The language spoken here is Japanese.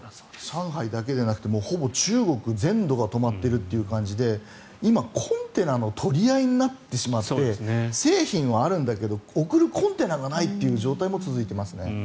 上海だけでなく中国全土が止まっているという感じで今、コンテナの取り合いになってしまって製品はあるんだけど送るコンテナがないという状態も続いていますね。